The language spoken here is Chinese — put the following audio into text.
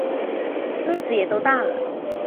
孙子也都大了